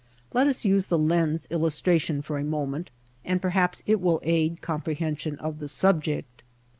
Let us use the lens illustration for a moment and perhaps it will aid comprehension of the subject.